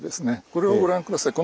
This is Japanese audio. これをご覧下さい。